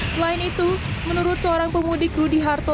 selain itu menurut seorang pemudik kru di hartol